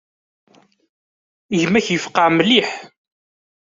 Gma-k yefqeε mliḥ.